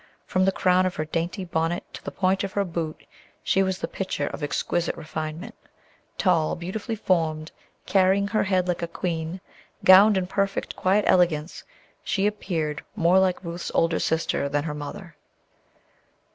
From the crown of her dainty bonnet to the point of her boot she was the picture of exquisite refinement; tall, beautifully formed, carrying her head like a queen, gowned in perfect, quiet elegance, she appeared more like Ruth's older sister than her mother.